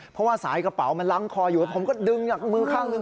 เพราะว่าสายกระเป๋ามันล้างคออยู่ผมก็ดึงจากมือข้างหนึ่ง